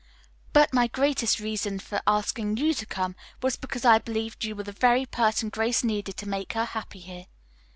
But my greatest reason for asking you to come was because I believed you were the very person Grace needed to make her happy here.